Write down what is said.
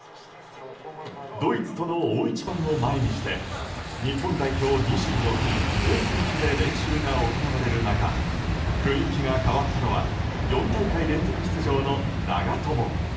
ドイツとの大一番を前にして日本代表２６人全選手で練習が行われる中雰囲気が変わったのは４大会連続出場の長友。